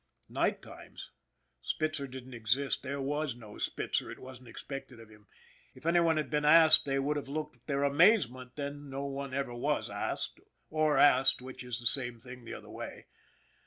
Night times? Spitzer didn't exist, there was no Spitzer it wasn't expected of him! If any one had been asked they would have looked their amazement, but then no one ever was asked or asked, which is the same thing the other way.